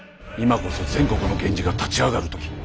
今こそ全国の源氏が立ち上がる時。